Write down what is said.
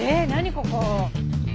ここ！